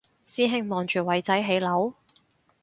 師兄望住偉仔起樓？